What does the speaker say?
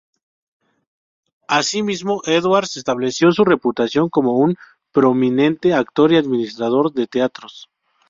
Asimismo, Edwards estableció su reputación como un prominente actor y administrador de teatros.